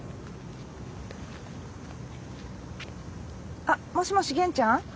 あっもしもし元ちゃん？